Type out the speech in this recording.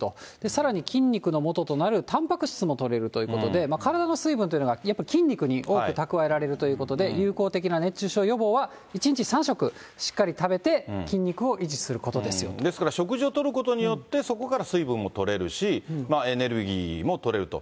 さらに筋肉のもととなるタンパク質もとれるということで、体の水分っていうのは、筋肉に多く蓄えられるということで、有効的な熱中症予防は１日３食しっかり食べて、ですから、食事をとることによって、そこから水分もとれるし、エネルギーもとれると。